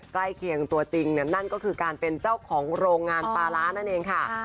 ใกล้เคียงตัวจริงนั่นก็คือการเป็นเจ้าของโรงงานปลาร้านั่นเองค่ะ